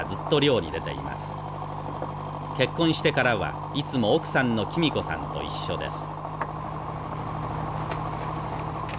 結婚してからはいつも奥さんのきみこさんと一緒です。